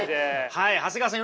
はい長谷川さん